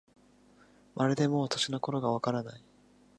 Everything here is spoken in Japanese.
まるでもう、年の頃がわからない